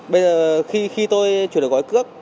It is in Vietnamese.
bây giờ khi tôi chuyển gói cước